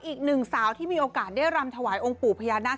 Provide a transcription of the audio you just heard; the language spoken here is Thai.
อีกหนึ่งสาวที่มีโอกาสได้รำถวายองค์ปู่พญานาค